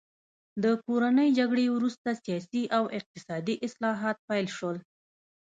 د کورنۍ جګړې وروسته سیاسي او اقتصادي اصلاحات پیل شول.